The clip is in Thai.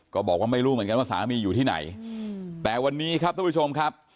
ก็บอกว่าไม่รู้เหมือนกันว่าสามีอยู่ที่ไหนแต่วันนี้ครับทุกผู้ชมครับ